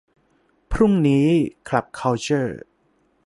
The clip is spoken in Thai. พรุ่งนี้ คลับ คัลเจอร์